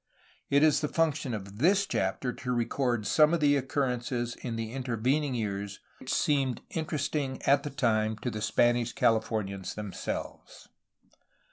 It is the function of this chapter to record some of the occurrences in the intervening years which seemed inter esting at the time to the Spanish Cahfornians themselves.